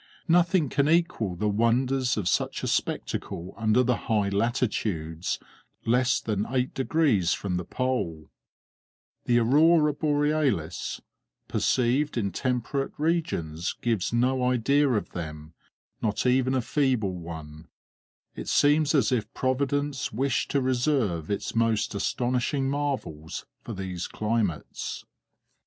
Nothing can equal the wonders of such a spectacle under the high latitudes less than eight degrees from the Pole; the aurora borealis perceived in temperate regions gives no idea of them not even a feeble one; it seems as if Providence wished to reserve its most astonishing marvels for these climates.